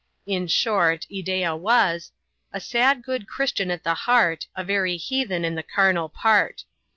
In short, Ideea was •* A sad good Christian at the heart — A very heathen in the carnal part."